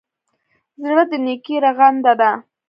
زړه د نېکۍ رغنده ده.